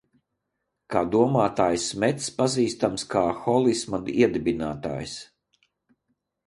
Kā domātājs Smetss pazīstams kā holisma iedibinātājs.